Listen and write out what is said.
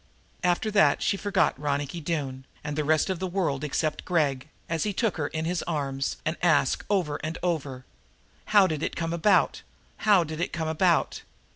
After that she forgot Ronicky Doone and the rest of the world except Gregg, as he took her in his arms and asked over and over: "How did it come about? How did it come about?"